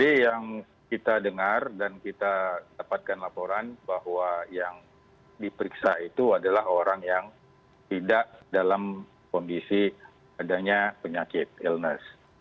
kami telah dapatkan laporan bahwa yang diperiksa itu adalah orang yang tidak dalam kondisi adanya penyakit illness